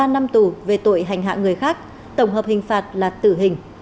ba năm tù về tội hành hạ người khác tổng hợp hình phạt là tử hình